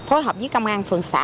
phối hợp với công an phường xã